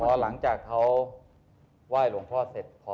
พอหลังจากเขาไหว้หลวงพ่อเสร็จ